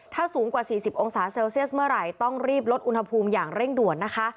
ถ้าสูงกว่า๔๐องศาเซลเซียสเมื่อไหร่ต้องรีบลดอุณหภูมิอย่างเร่งด่วนนะคะ